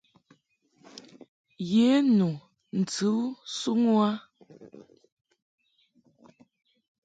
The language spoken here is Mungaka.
Ye nu ntɨ u suŋ u a.